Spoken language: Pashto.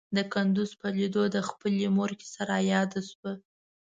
د کندوز په ليدو د خپلې مور کيسه راياده شوه.